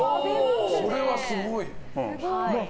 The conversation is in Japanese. それはすごい。